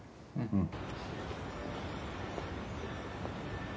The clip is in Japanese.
うん。